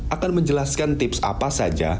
akan menjelaskan tips apa saja